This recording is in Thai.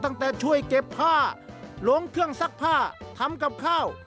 ตั้งแต่ช่วยเก็บผ้าลงเครื่องซักผ้าทำกับข้าว